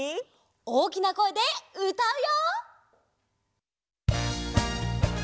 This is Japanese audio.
おおきなこえでうたうよ！